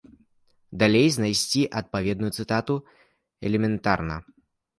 Далей знайсці адпаведную цытату элементарна.